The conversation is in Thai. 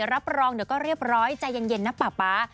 รับรองเดี๋ยวก็เรียบร้อยใจเย็นนะป่าป๊า